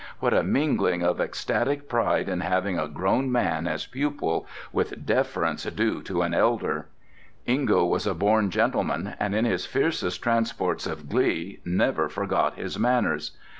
What a mingling of ecstatic pride in having a grown man as pupil, with deference due to an elder. Ingo was a born gentleman and in his fiercest transports of glee never forgot his manners!